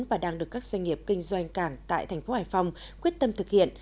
và đang được các doanh nghiệp kinh doanh cảng tại thành phố hải phòng quyết tâm thực hiện